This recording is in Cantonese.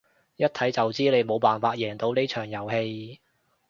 一睇就知你冇辦法贏到呢場遊戲